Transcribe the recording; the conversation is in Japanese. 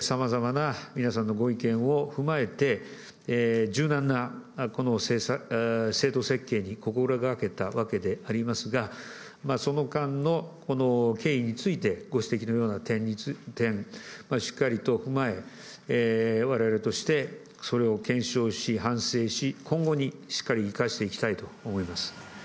さまざまな皆さんのご意見を踏まえて、柔軟なこの制度設計に心がけたわけでありますが、その間の経緯について、ご指摘のような点、しっかりと踏まえ、われわれとしてそれを検証し、反省し、今後にしっかり生かしていきたいと思います。